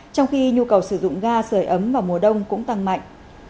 trong khi nhu cầu sử dụng ga sửa ấm vào mùa đông cũng tăng mạnh